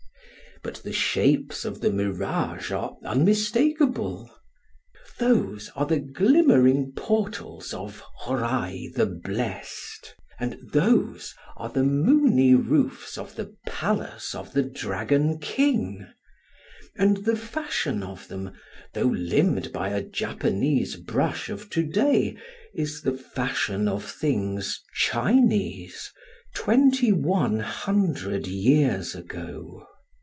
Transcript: But the shapes of the mirage are unmistakable. Those are the glimmering portals of Hōrai the blest; and those are the moony roofs of the Palace of the Dragon King;—and the fashion of them (though limned by a Japanese brush of to day) is the fashion of things Chinese, twenty one hundred years ago...